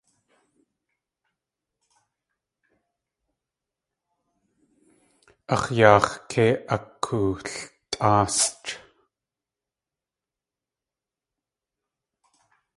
Ax̲ yaax̲ kei akooltʼáasʼch.